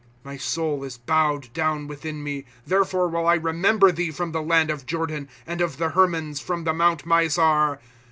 ^ My soul is bowed down within me ; Therefore will I remember thee from the land of Jordan, And of the Hermons, from the mount Mizar.